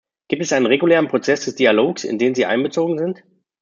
Gibt es einen regulären Prozess des Dialogs, in den sie einbezogen sind?